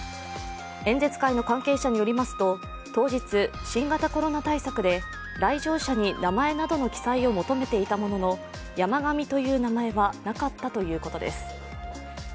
演説会の関係者によりますと当日、新型コロナ対策で来場者に名前などの記載を求めていたものの山上という名前はなかったということです。